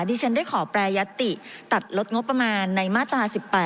ที่ฉันได้ขอแปรยติตัดลดงบประมาณในมาตรา๑๘